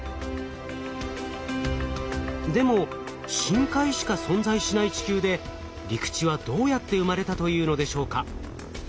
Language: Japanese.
でも深海しか存在しない地球で陸地はどうやって生まれたというのでしょうか？